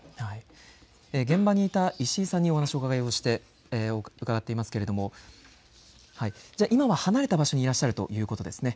現場にいた石井さんにお話を伺っていますけれども今は離れた場所にいらっしゃるということですね。